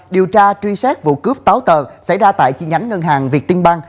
điều tra truy xét vụ cướp táo tờ xảy ra tại chi nhánh ngân hàng việt tinh bang